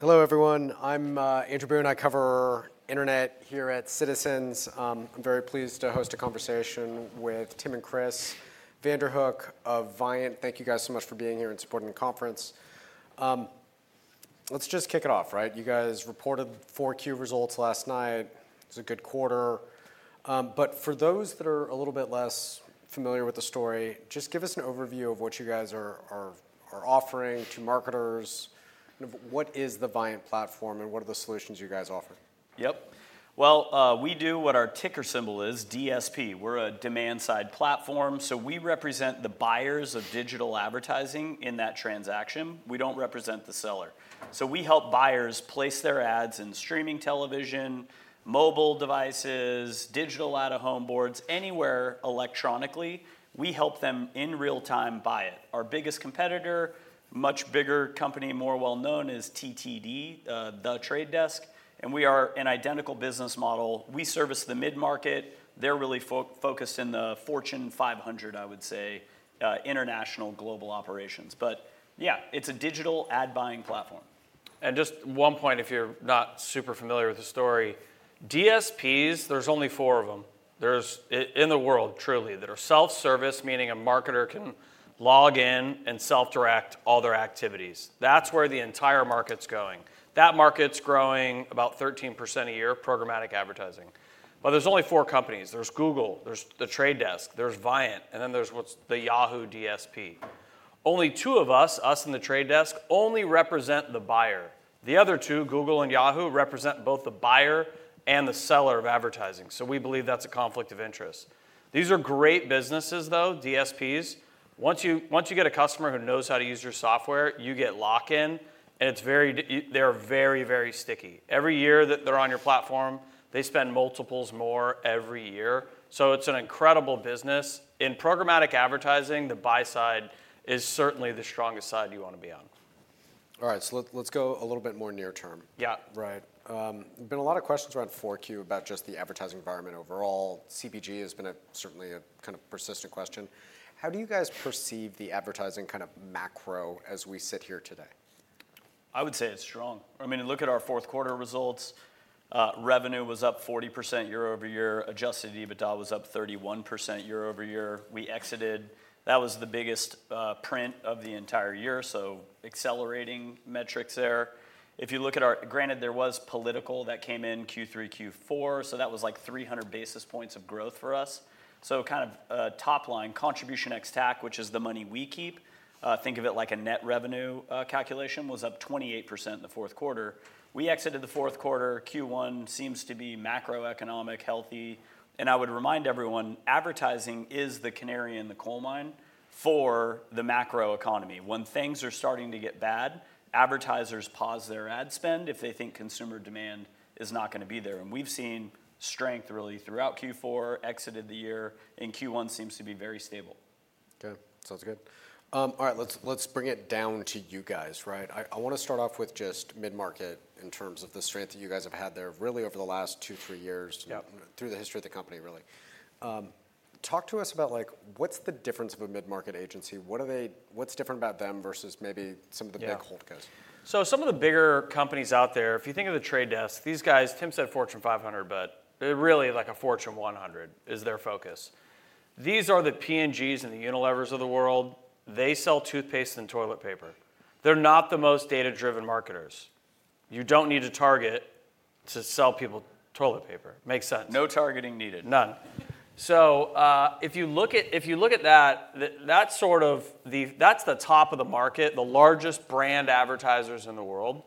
Hello, everyone. I'm Andrew Boone. I cover Internet here at Citizens. I'm very pleased to host a conversation with Tim and Chris Vanderhook of Viant. Thank you guys so much for being here and supporting the conference. Let's just kick it off, right? You guys reported Q4 results last night. It was a good quarter. For those that are a little bit less familiar with the story, just give us an overview of what you guys are offering to marketers. What is the Viant platform, and what are the solutions you guys offer? Yep. We do what our ticker symbol is, DSP. We're a demand-side platform, so we represent the buyers of digital advertising in that transaction. We don't represent the seller. We help buyers place their ads in streaming television, mobile devices, digital out-of-home boards, anywhere electronically. We help them in real time buy it. Our biggest competitor, much bigger company, more well-known, is TTD, The Trade Desk. We are an identical business model. We service the mid-market. They're really focused in the Fortune 500, I would say, international global operations. Yeah, it's a digital ad-buying platform. Just one point, if you're not super familiar with the story. DSPs, there's only four of them in the world, truly, that are self-service, meaning a marketer can log in and self-direct all their activities. That's where the entire market's going. That market's growing about 13% a year, programmatic advertising. There's only four companies. There's Google, there's The Trade Desk, there's Viant, and then there's the Yahoo DSP. Only two of us, us and The Trade Desk, only represent the buyer. The other two, Google and Yahoo, represent both the buyer and the seller of advertising. We believe that's a conflict of interest. These are great businesses, though, DSPs. Once you get a customer who knows how to use your software, you get lock-in, and they're very, very sticky. Every year that they're on your platform, they spend multiples more every year. It's an incredible business. In programmatic advertising, the buy-side is certainly the strongest side you want to be on. All right, so let's go a little bit more near term. Yeah. Right. There have been a lot of questions around 4Q about just the advertising environment overall. CPG has been certainly a kind of persistent question. How do you guys perceive the advertising kind of macro as we sit here today? I would say it's strong. I mean, look at our fourth quarter results. Revenue was up 40% year-over-year. Adjusted EBITDA was up 31% year-over-year. We exited. That was the biggest print of the entire year, so accelerating metrics there. If you look at our, granted, there was political that came in Q3, Q4, so that was like 300 basis points of growth for us. Kind of top line, contribution ex-TAC, which is the money we keep, think of it like a net revenue calculation, was up 28% in the fourth quarter. We exited the fourth quarter. Q1 seems to be macroeconomic healthy. I would remind everyone, advertising is the canary in the coal mine for the macro economy. When things are starting to get bad, advertisers pause their ad spend if they think consumer demand is not going to be there. We have seen strength really throughout Q4, exited the year, and Q1 seems to be very stable. Good. Sounds good. All right, let's bring it down to you guys, right? I want to start off with just mid-market in terms of the strength that you guys have had there really over the last two, three years, through the history of the company, really. Talk to us about what's the difference of a mid-market agency? What's different about them versus maybe some of the big holdcos? Some of the bigger companies out there, if you think of The Trade Desk, these guys, Tim said Fortune 500, but really like a Fortune 100 is their focus. These are the P&Gs and the Unilevers of the world. They sell toothpaste and toilet paper. They're not the most data-driven marketers. You don't need to target to sell people toilet paper. Makes sense. No targeting needed. None. If you look at that, that's sort of the top of the market, the largest brand advertisers in the world.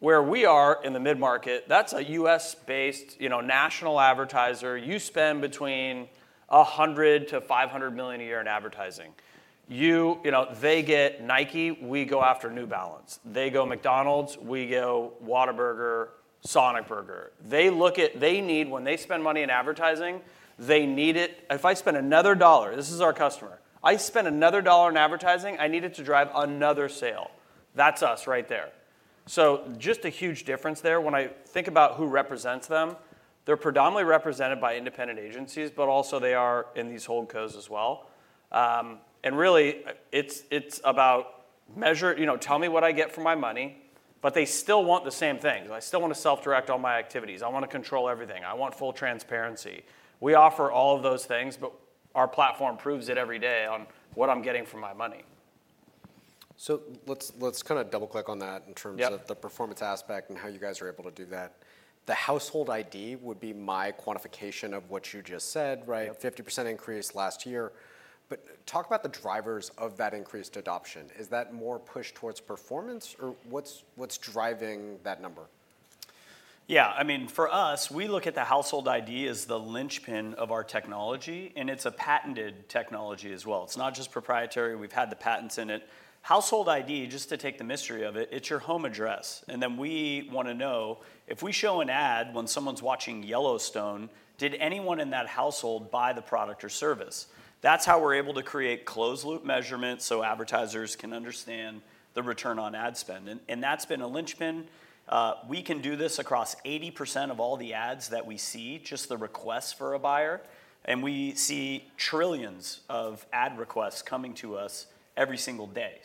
Where we are in the mid-market, that's a US-based national advertiser. You spend between $100 million-$500 million a year in advertising. They get Nike, we go after New Balance. They go McDonald's, we go Whataburger, Sonic Burger. They need, when they spend money in advertising, they need it. If I spend another dollar, this is our customer, I spend another dollar in advertising, I need it to drive another sale. That's us right there. Just a huge difference there. When I think about who represents them, they're predominantly represented by independent agencies, but also they are in these holdcos as well. Really, it's about tell me what I get for my money, but they still want the same thing. I still want to self-direct all my activities. I want to control everything. I want full transparency. We offer all of those things, but our platform proves it every day on what I'm getting for my money. Let's kind of double-click on that in terms of the performance aspect and how you guys are able to do that. The Household ID would be my quantification of what you just said, right? 50% increase last year. Talk about the drivers of that increased adoption. Is that more push towards performance, or what's driving that number? Yeah, I mean, for us, we look at the Household ID as the linchpin of our technology, and it's a patented technology as well. It's not just proprietary. We've had the patents in it. Household ID, just to take the mystery of it, it's your home address. And then we want to know if we show an ad when someone's watching Yellowstone, did anyone in that household buy the product or service? That's how we're able to create closed-loop measurements so advertisers can understand the return on ad spend. And that's been a linchpin. We can do this across 80% of all the ads that we see, just the requests for a buyer. We see trillions of ad requests coming to us every single day.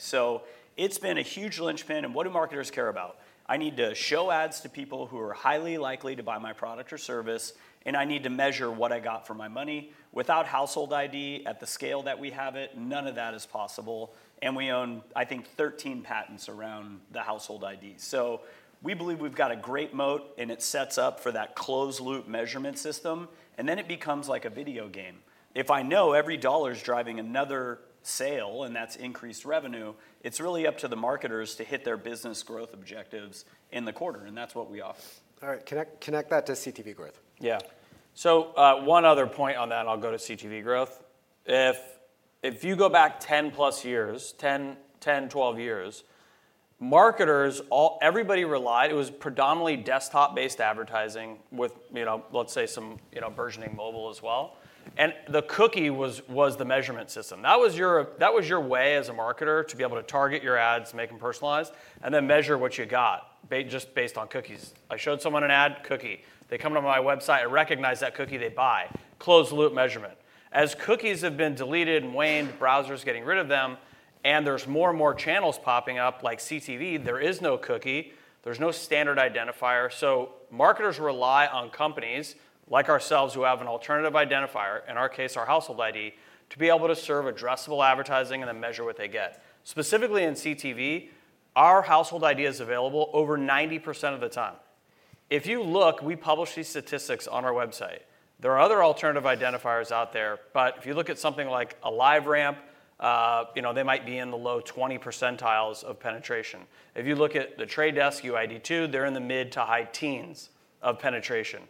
It's been a huge linchpin. What do marketers care about? I need to show ads to people who are highly likely to buy my product or service, and I need to measure what I got for my money. Without Household ID at the scale that we have it, none of that is possible. We own, I think, 13 patents around the Household ID. We believe we've got a great moat, and it sets up for that closed-loop measurement system. It becomes like a video game. If I know every dollar is driving another sale, and that's increased revenue, it's really up to the marketers to hit their business growth objectives in the quarter. That's what we offer. All right, connect that to CTV growth. Yeah. One other point on that, I'll go to CTV growth. If you go back 10-plus years, 10, 12 years, marketers, everybody relied, it was predominantly desktop-based advertising with, let's say, some burgeoning mobile as well. The cookie was the measurement system. That was your way as a marketer to be able to target your ads, make them personalized, and then measure what you got just based on cookies. I showed someone an ad, cookie. They come to my website, I recognize that cookie, they buy. Closed-loop measurement. As cookies have been deleted and waned, browsers are getting rid of them, and there are more and more channels popping up like CTV, there is no cookie. There is no standard identifier. Marketers rely on companies like ourselves who have an alternative identifier, in our case, our Household ID, to be able to serve addressable advertising and then measure what they get. Specifically in CTV, our Household ID is available over 90% of the time. If you look, we publish these statistics on our website. There are other alternative identifiers out there, but if you look at something like a LiveRamp, they might be in the low 20% of penetration. If you look at The Trade Desk UID2, they're in the mid to high teens of penetration.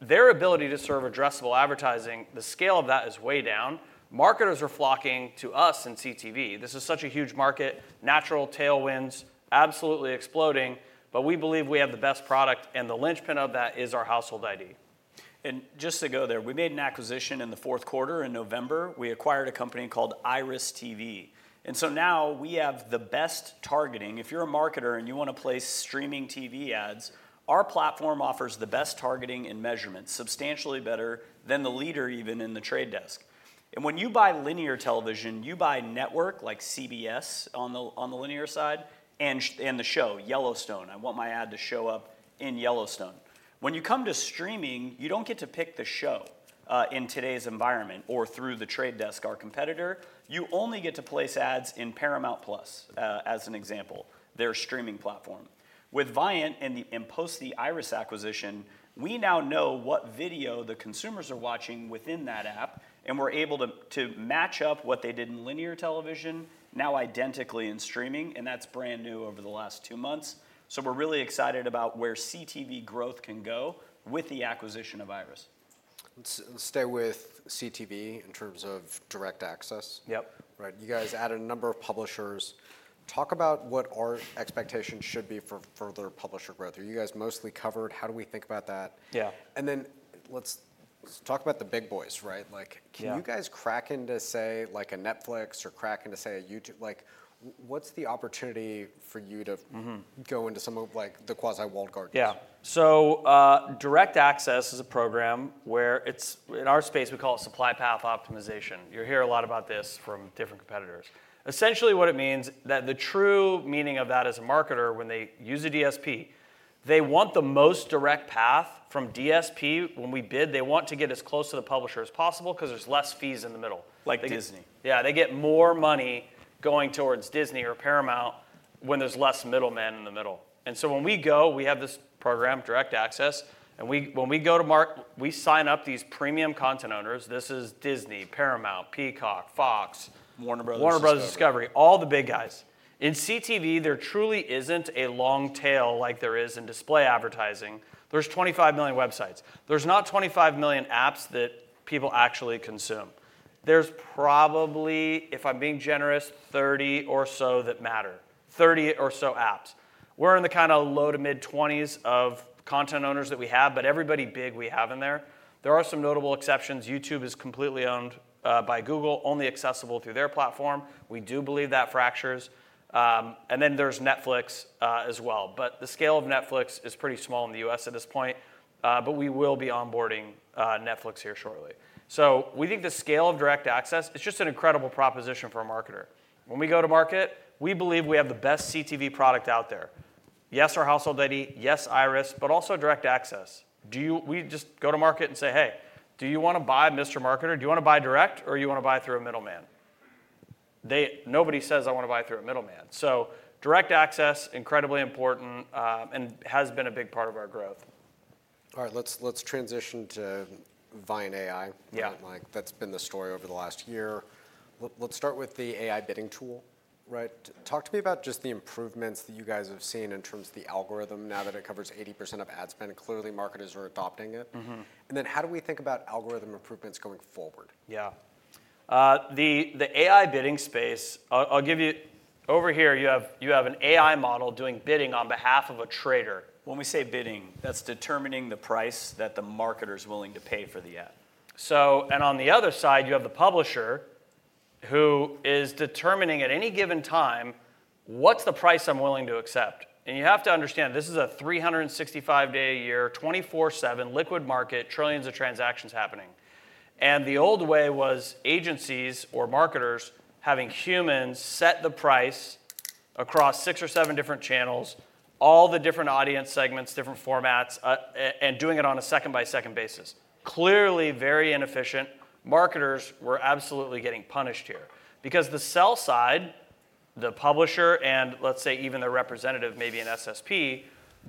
Their ability to serve addressable advertising, the scale of that is way down. Marketers are flocking to us in CTV. This is such a huge market. Natural tailwinds absolutely exploding, but we believe we have the best product, and the linchpin of that is our Household ID. Just to go there, we made an acquisition in the fourth quarter in November. We acquired a company called IRIS.TV. Now we have the best targeting. If you're a marketer and you want to play streaming TV ads, our platform offers the best targeting and measurement, substantially better than the leader even in The Trade Desk. When you buy linear television, you buy network like CBS on the linear side and the show, Yellowstone. I want my ad to show up in Yellowstone. When you come to streaming, you don't get to pick the show in today's environment or through The Trade Desk, our competitor. You only get to place ads in Paramount+ as an example, their streaming platform. With Viant and the impact of the IRIS acquisition, we now know what video the consumers are watching within that app, and we're able to match up what they did in linear television, now identically in streaming, and that's brand new over the last two months. We are really excited about where CTV growth can go with the acquisition of IRIS. Let's stay with CTV in terms of Direct Access. Yep. Right. You guys added a number of publishers. Talk about what our expectation should be for further publisher growth. Are you guys mostly covered? How do we think about that? Yeah. Let's talk about the big boys, right? Can you guys crack into, say, a Netflix or crack into, say, a YouTube? What's the opportunity for you to go into some of the quasi-walled gardens? Yeah. Direct Access is a program where it's, in our space, we call it supply path optimization. You'll hear a lot about this from different competitors. Essentially, what it means is that the true meaning of that as a marketer, when they use a DSP, they want the most direct path from DSP when we bid. They want to get as close to the publisher as possible because there's less fees in the middle. Like Disney. Yeah, they get more money going towards Disney or Paramount when there's less middlemen in the middle. When we go, we have this program, Direct Access, and when we go to market, we sign up these premium content owners. This is Disney, Paramount, Peacock, Fox. Warner Bros. Warner Bros. Discovery, all the big guys. In CTV, there truly isn't a long tail like there is in display advertising. There are 25 million websites. There are not 25 million apps that people actually consume. There are probably, if I'm being generous, 30 or so that matter, 30 or so apps. We're in the kind of low to mid-20s of content owners that we have, but everybody big we have in there. There are some notable exceptions. YouTube is completely owned by Google, only accessible through their platform. We do believe that fractures. There is Netflix as well. The scale of Netflix is pretty small in the US at this point, but we will be onboarding Netflix here shortly. We think the scale of Direct Access, it's just an incredible proposition for a marketer. When we go to market, we believe we have the best CTV product out there. Yes, our Household ID, yes, IRIS, but also Direct Access. We just go to market and say, "Hey, do you want to buy, Mr. Marketer? Do you want to buy direct, or do you want to buy through a middleman?" Nobody says, "I want to buy through a middleman." Direct Access, incredibly important, and has been a big part of our growth. All right, let's transition to Viant AI. Yeah. That's been the story over the last year. Let's start with the AI Bidding Tool, right? Talk to me about just the improvements that you guys have seen in terms of the algorithm now that it covers 80% of ad spend. Clearly, marketers are adopting it. How do we think about algorithm improvements going forward? Yeah. The AI bidding space, I'll give you over here, you have an AI model doing bidding on behalf of a trader. When we say bidding, that's determining the price that the marketer is willing to pay for the ad. On the other side, you have the publisher who is determining at any given time, "What's the price I'm willing to accept?" You have to understand this is a 365-day-a-year, 24/7 liquid market, trillions of transactions happening. The old way was agencies or marketers having humans set the price across six or seven different channels, all the different audience segments, different formats, and doing it on a second-by-second basis. Clearly, very inefficient. Marketers were absolutely getting punished here because the sell-side, the publisher, and let's say even the representative, maybe an SSP,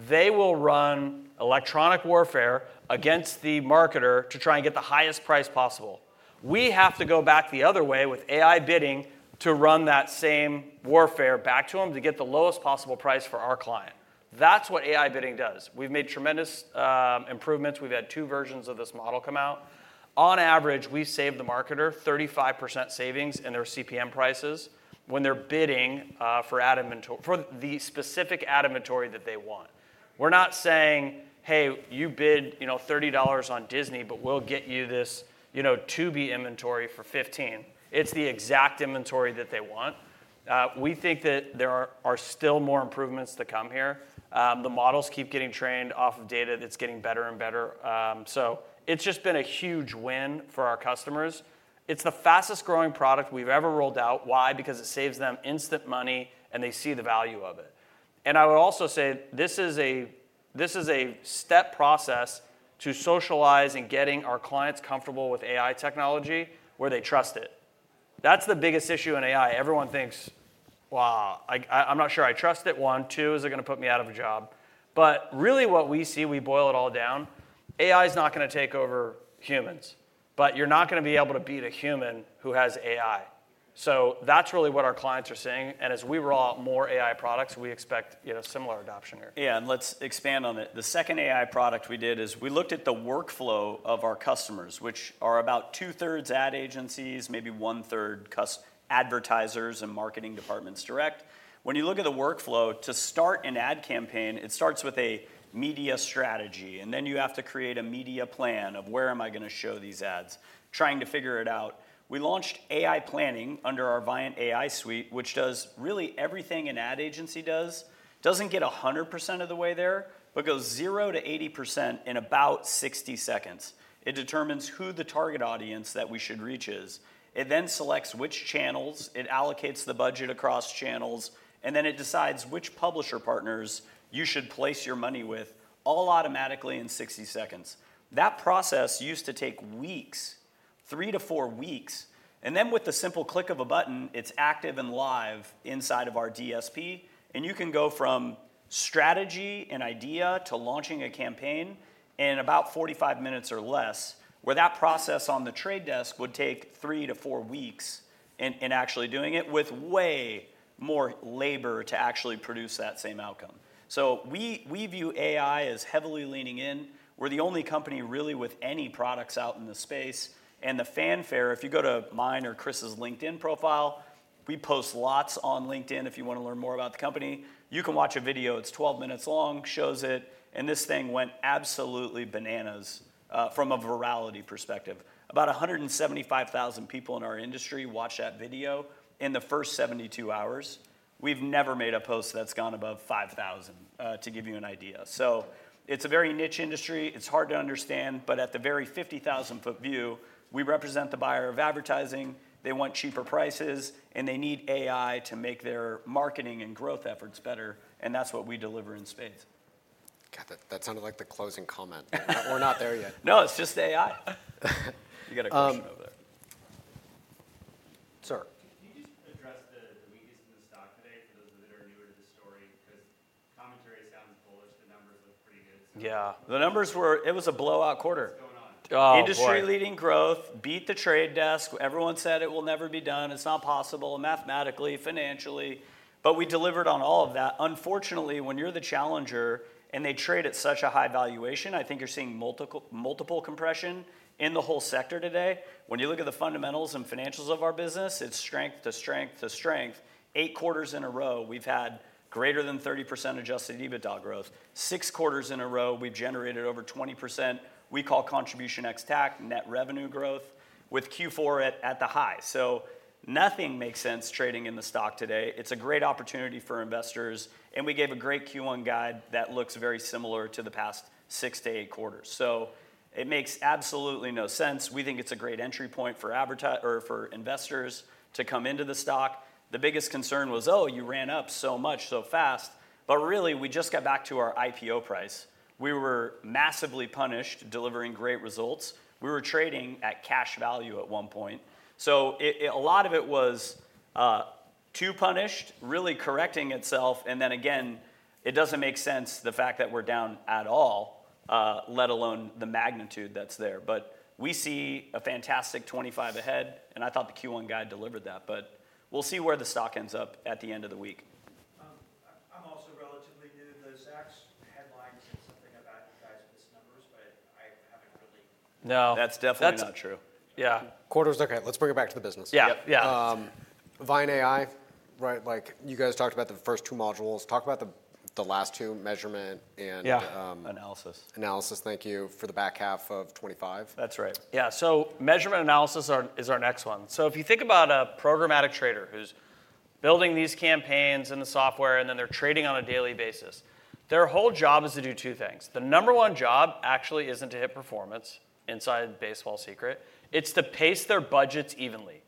they will run electronic warfare against the marketer to try and get the highest price possible. We have to go back the other way with AI bidding to run that same warfare back to them to get the lowest possible price for our client. That's what AI bidding does. We've made tremendous improvements. We've had two versions of this model come out. On average, we save the marketer 35% savings in their CPM prices when they're bidding for the specific ad inventory that they want. We're not saying, "Hey, you bid $30 on Disney, but we'll get you this Tubi inventory for $15." It's the exact inventory that they want. We think that there are still more improvements to come here. The models keep getting trained off of data that's getting better and better. It has just been a huge win for our customers. It's the fastest-growing product we've ever rolled out. Why? Because it saves them instant money, and they see the value of it. I would also say this is a step process to socialize and getting our clients comfortable with AI technology where they trust it. That's the biggest issue in AI. Everyone thinks, "Wow, I'm not sure I trust it. One, two, is it going to put me out of a job?" Really, what we see, we boil it all down. AI is not going to take over humans, but you're not going to be able to beat a human who has AI. That's really what our clients are seeing. As we roll out more AI products, we expect similar adoption here. Yeah, and let's expand on it. The second AI product we did is we looked at the workflow of our customers, which are about two-thirds ad agencies, maybe one-third advertisers and marketing departments direct. When you look at the workflow to start an ad campaign, it starts with a media strategy, and then you have to create a media plan of where am I going to show these ads, trying to figure it out. We launched AI Planning under our Viant AI suite, which does really everything an ad agency does. Doesn't get 100% of the way there, but goes 0-80% in about 60 seconds. It determines who the target audience that we should reach is. It then selects which channels. It allocates the budget across channels, and then it decides which publisher partners you should place your money with, all automatically in 60 seconds. That process used to take weeks, three to four weeks. With the simple click of a button, it's active and live inside of our DSP, and you can go from strategy and idea to launching a campaign in about 45 minutes or less, where that process on The Trade Desk would take three to four weeks in actually doing it with way more labor to actually produce that same outcome. We view AI as heavily leaning in. We're the only company really with any products out in the space. The fanfare, if you go to mine or Chris's LinkedIn profile, we post lots on LinkedIn. If you want to learn more about the company, you can watch a video. It's 12 minutes long, shows it, and this thing went absolutely bananas from a virality perspective. About 175,000 people in our industry watched that video in the first 72 hours. We've never made a post that's gone above 5,000, to give you an idea. It is a very niche industry. It is hard to understand, but at the very 50,000-foot view, we represent the buyer of advertising. They want cheaper prices, and they need AI to make their marketing and growth efforts better, and that's what we deliver in spades. Got that. That sounded like the closing comment. We're not there yet. No, it's just AI. You got a question over there? Sir. Can you just address the weakness in the stock today for those of you that are newer to the story? Because commentary sounds bullish. The numbers look pretty good. Yeah. The numbers were, it was a blowout quarter. What's going on? Industry-leading growth, beat The Trade Desk. Everyone said it will never be done. It's not possible mathematically, financially, but we delivered on all of that. Unfortunately, when you're the challenger and they trade at such a high valuation, I think you're seeing multiple compression in the whole sector today. When you look at the fundamentals and financials of our business, it's strength to strength to strength. Eight quarters in a row, we've had greater than 30% adjusted EBITDA growth. Six quarters in a row, we've generated over 20%. We call contribution ex-TAC, net revenue growth, with Q4 at the high. Nothing makes sense trading in the stock today. It's a great opportunity for investors, and we gave a great Q1 guide that looks very similar to the past six to eight quarters. It makes absolutely no sense. We think it's a great entry point for investors to come into the stock. The biggest concern was, "Oh, you ran up so much so fast." Really, we just got back to our IPO price. We were massively punished, delivering great results. We were trading at cash value at one point. A lot of it was too punished, really correcting itself, and it doesn't make sense the fact that we're down at all, let alone the magnitude that's there. We see a fantastic 2025 ahead, and I thought the Q1 guide delivered that, but we'll see where the stock ends up at the end of the week. I'm also relatively new. The Zacks headlines said something about you guys' numbers, but I haven't really. No. That's definitely not true. Yeah. Quarters, okay. Let's bring it back to the business. Yeah. Yeah. Viant AI, right? You guys talked about the first two modules. Talk about the last two, measurement and. Yeah. Analysis. Analysis, thank you, for the back half of 2025. That's right. Yeah. Measurement analysis is our next one. If you think about a programmatic trader who's building these campaigns in the software, and then they're trading on a daily basis, their whole job is to do two things. The number one job actually isn't to hit performance inside baseball secret. It's to pace their budgets evenly.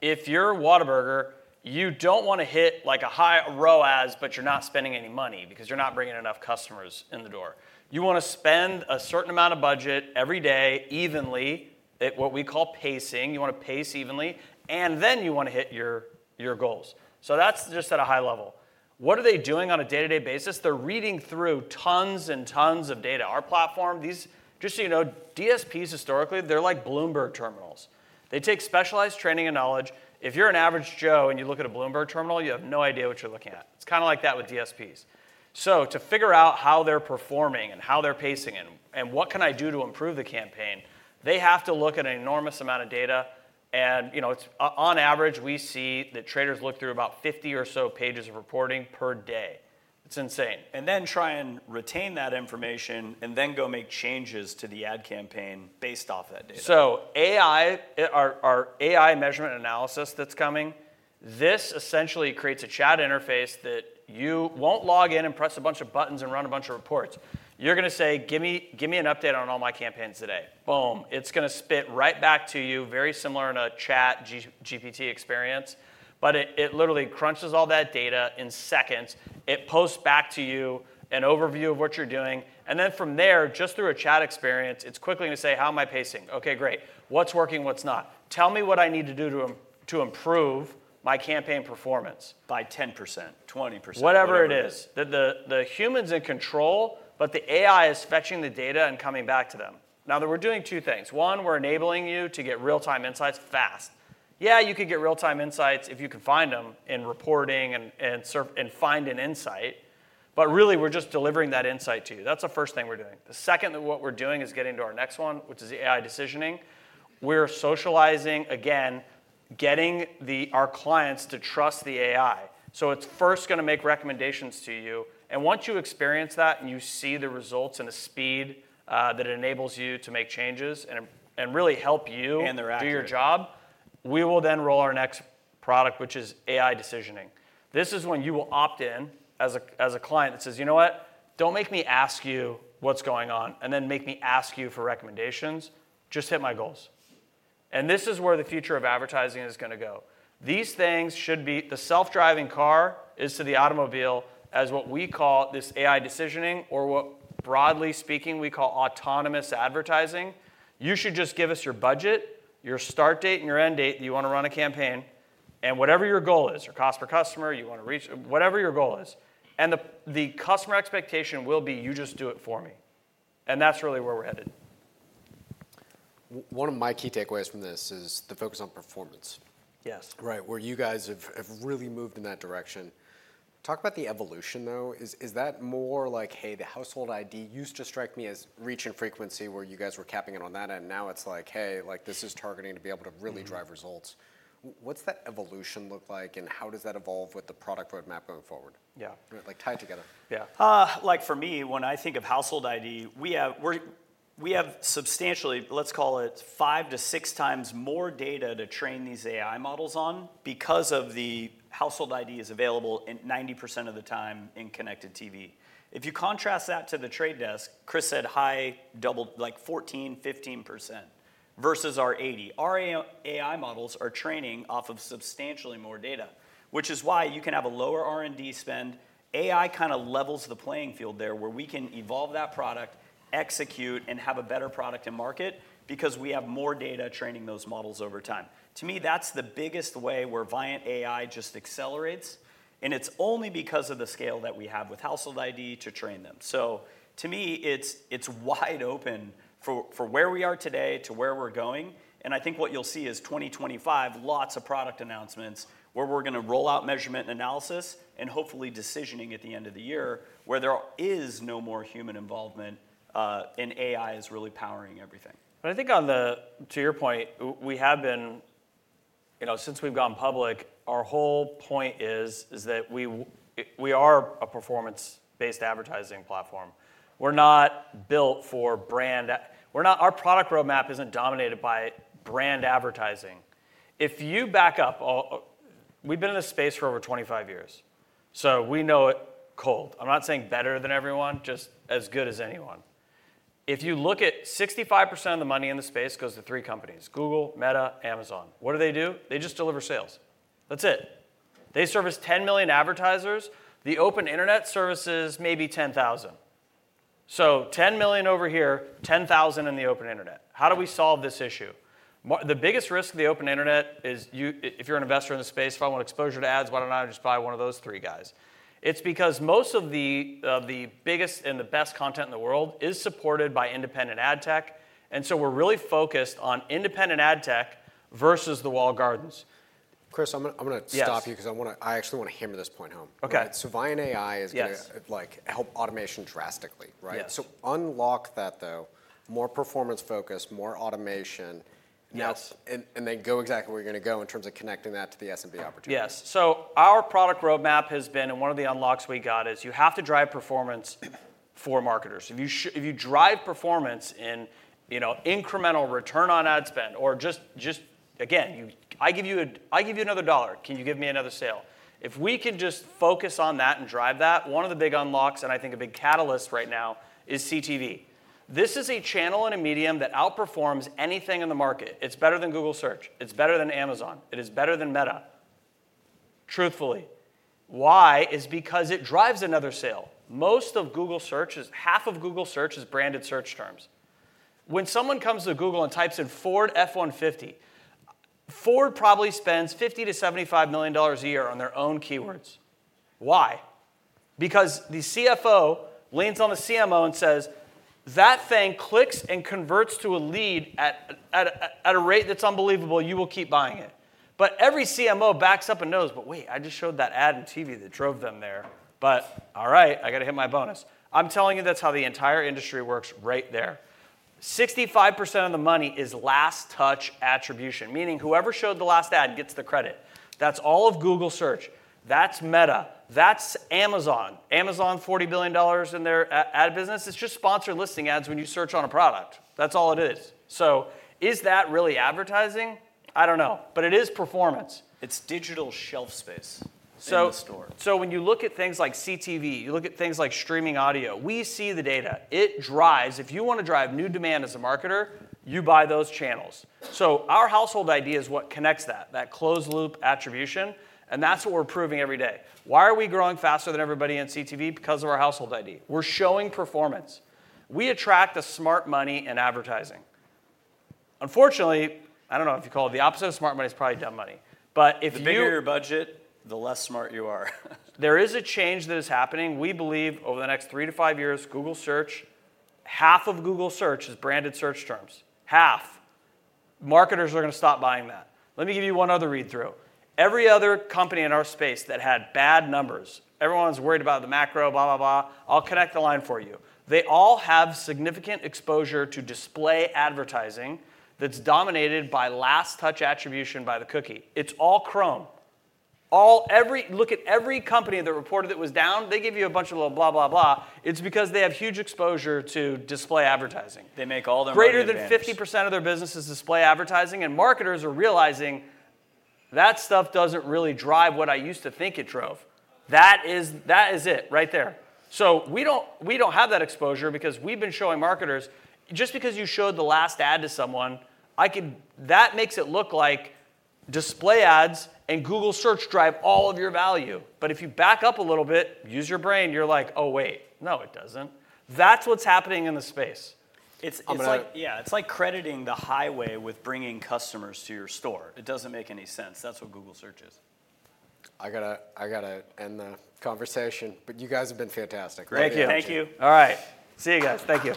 If you're a Whataburger, you don't want to hit a high ROAS, but you're not spending any money because you're not bringing enough customers in the door. You want to spend a certain amount of budget every day evenly, what we call pacing. You want to pace evenly, and then you want to hit your goals. That's just at a high level. What are they doing on a day-to-day basis? They're reading through tons and tons of data. Our platform, just so you know, DSPs historically, they're like Bloomberg terminals. They take specialized training and knowledge. If you're an average Joe and you look at a Bloomberg terminal, you have no idea what you're looking at. It's kind of like that with DSPs. To figure out how they're performing and how they're pacing and what can I do to improve the campaign, they have to look at an enormous amount of data. On average, we see that traders look through about 50 or so pages of reporting per day. It's insane. Try and retain that information and then go make changes to the ad campaign based off that data. Our AI Measurement and Analysis that's coming, this essentially creates a chat interface that you won't log in and press a bunch of buttons and run a bunch of reports. You're going to say, "Give me an update on all my campaigns today." Boom. It's going to spit right back to you, very similar in a ChatGPT experience, but it literally crunches all that data in seconds. It posts back to you an overview of what you're doing. From there, just through a chat experience, it's quickly going to say, "How am I pacing? Okay, great. What's working, what's not? Tell me what I need to do to improve my campaign performance. By 10%, 20%. Whatever it is. The human's in control, but the AI is fetching the data and coming back to them. Now, we're doing two things. One, we're enabling you to get real-time insights fast. Yeah, you could get real-time insights if you could find them in reporting and find an insight, but really, we're just delivering that insight to you. That's the first thing we're doing. The second that what we're doing is getting to our next one, which is AI Decisioning. We're socializing, again, getting our clients to trust the AI. It's first going to make recommendations to you. Once you experience that and you see the results and the speed that it enables you to make changes and really help you– And their actions. Do your job, we will then roll our next product, which is AI Decisioning. This is when you will opt in as a client that says, "You know what? Don't make me ask you what's going on and then make me ask you for recommendations. Just hit my goals." This is where the future of advertising is going to go. These things should be the self-driving car is to the automobile as what we call this AI Decisioning or what, broadly speaking, we call autonomous advertising. You should just give us your budget, your start date, and your end date that you want to run a campaign and whatever your goal is, your cost per customer, you want to reach whatever your goal is. The customer expectation will be, "You just do it for me." That's really where we're headed. One of my key takeaways from this is the focus on performance. Yes. Right, where you guys have really moved in that direction. Talk about the evolution, though. Is that more like, "Hey, the Household ID used to strike me as reach and frequency where you guys were capping in on that, and now it's like, 'Hey, this is targeting to be able to really drive results.'" What's that evolution look like, and how does that evolve with the product roadmap going forward? Yeah. Tie it together. Yeah. For me, when I think of Household ID, we have substantially, let's call it five to six times more data to train these AI models on because the Household ID is available 90% of the time in Connected TV. If you contrast that to The Trade Desk, Chris said high, like 14%, 15% versus our 80. Our AI models are training off of substantially more data, which is why you can have a lower R&D spend. AI kind of levels the playing field there where we can evolve that product, execute, and have a better product to market because we have more data training those models over time. To me, that's the biggest way where Viant AI just accelerates, and it's only because of the scale that we have with Household ID to train them. To me, it's wide open for where we are today to where we're going. I think what you'll see is 2025, lots of product announcements where we're going to roll out measurement and analysis and hopefully decisioning at the end of the year where there is no more human involvement, and AI is really powering everything. I think, to your point, we have been, since we've gone public, our whole point is that we are a performance-based advertising platform. We're not built for brand. Our product roadmap isn't dominated by brand advertising. If you back up, we've been in this space for over 25 years, so we know it cold. I'm not saying better than everyone, just as good as anyone. If you look at 65% of the money in the space goes to three companies: Google, Meta, Amazon. What do they do? They just deliver sales. That's it. They service 10 million advertisers. The open internet services maybe 10,000. So 10 million over here, 10,000 in the open internet. How do we solve this issue? The biggest risk of the open internet is if you're an investor in the space, if I want exposure to ads, why don't I just buy one of those three guys? It's because most of the biggest and the best content in the world is supported by independent ad tech, and so we're really focused on independent ad tech versus the walled gardens. Chris, I'm going to stop you because I actually want to hammer this point home. Okay. Viant AI is going to help automation drastically, right? Yes. Unlock that, though. More performance focus, more automation. Yes. Go exactly where you're going to go in terms of connecting that to the SMB opportunity. Yes. Our product roadmap has been, and one of the unlocks we got is you have to drive performance for marketers. If you drive performance in incremental return on ad spend or just, again, I give you another dollar. Can you give me another sale? If we can just focus on that and drive that, one of the big unlocks, and I think a big catalyst right now, is CTV. This is a channel and a medium that outperforms anything in the market. It's better than Google Search. It's better than Amazon. It is better than Meta, truthfully. Why? Is because it drives another sale. Most of Google Search is half of Google Search is branded search terms. When someone comes to Google and types in Ford F-150, Ford probably spends $50 million-$75 million a year on their own keywords. Why? Because the CFO leans on the CMO and says, "That thing clicks and converts to a lead at a rate that's unbelievable. You will keep buying it." Every CMO backs up and knows, "But wait, I just showed that ad in TV that drove them there. All right, I got to hit my bonus." I'm telling you, that's how the entire industry works right there. 65% of the money is last touch attribution, meaning whoever showed the last ad gets the credit. That's all of Google Search. That's Meta. That's Amazon. Amazon, $40 billion in their ad business. It's just sponsored listing ads when you search on a product. That's all it is. Is that really advertising? I don't know, but it is performance. It's digital shelf space. When you look at things like CTV, you look at things like streaming audio, we see the data. It drives. If you want to drive new demand as a marketer, you buy those channels. Our Household ID is what connects that, that closed-loop attribution, and that's what we're proving every day. Why are we growing faster than everybody in CTV? Because of our Household ID. We're showing performance. We attract the smart money in advertising. Unfortunately, I don't know if you call it the opposite of smart money, it's probably dumb money. If you. The bigger your budget, the less smart you are. There is a change that is happening. We believe over the next three to five years, Google Search, half of Google Search is branded search terms. Half. Marketers are going to stop buying that. Let me give you one other read-through. Every other company in our space that had bad numbers, everyone's worried about the macro, blah, blah, blah, I'll connect the line for you. They all have significant exposure to display advertising that's dominated by last touch attribution by the cookie. It's all Chrome. Look at every company that reported it was down, they give you a bunch of little blah, blah, blah. It's because they have huge exposure to display advertising. They make all their money. Greater than 50% of their business is display advertising, and marketers are realizing that stuff doesn't really drive what I used to think it drove. That is it right there. We don't have that exposure because we've been showing marketers, just because you showed the last ad to someone, that makes it look like display ads and Google Search drive all of your value. If you back up a little bit, use your brain, you're like, "Oh, wait. No, it doesn't." That's what's happening in the space. Yeah. It's like crediting the highway with bringing customers to your store. It doesn't make any sense. That's what Google Search is. I got to end the conversation, but you guys have been fantastic. Thank you. Thank you. All right. See you guys. Thank you.